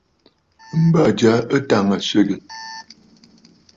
M̀bà ja ɨ tàŋə̀ swegè.